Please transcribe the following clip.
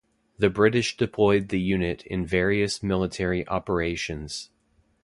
The British deployed the unit in various military operations.